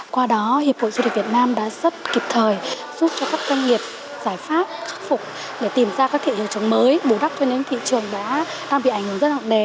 qua đó hiệp hội du lịch việt nam đã rất kịp thời giúp cho các doanh nghiệp giải pháp khắc phục để tìm ra các thị trường chống mới bù đắp cho nên thị trường đã đang bị ảnh hưởng rất nặng đề